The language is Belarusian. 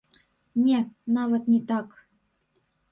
Не, нават не так!